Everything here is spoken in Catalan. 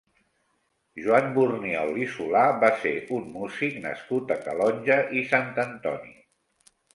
Joan Burniol i Solà va ser un músic nascut a Calonge i Sant Antoni.